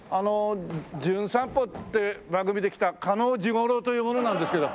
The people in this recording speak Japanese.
『じゅん散歩』って番組で来た嘉納治五郎という者なんですけど。